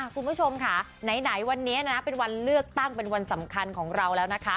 คุณผู้ชมค่ะไหนวันนี้นะเป็นวันเลือกตั้งเป็นวันสำคัญของเราแล้วนะคะ